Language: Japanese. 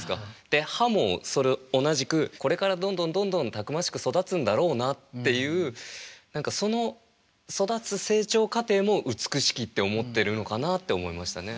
で歯も同じくこれからどんどんどんどんたくましく育つんだろうなっていう何かその育つ成長過程も美しきって思ってるのかなって思いましたね。